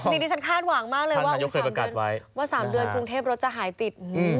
นี่ดิฉันคาดหวังมากเลยว่า๓เดือนกรุงเทพรถจะหายติด